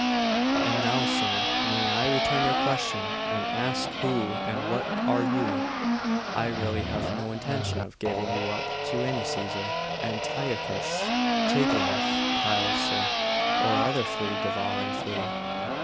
And now, sir, may I return your question, and ask who and what are you? I really have no intention of giving you up to any Caesar, Antiochus, Tiglath Pileser, or other flea devouring flea....